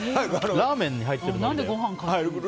ラーメンに入ってるのに？